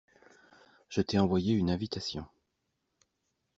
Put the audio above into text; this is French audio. Je t'ai envoyé une invitation.